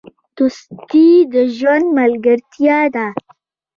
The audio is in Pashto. دوستي د ژوند ملګرتیا ده.